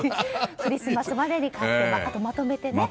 クリスマスまでに買ってあとは、まとめてね。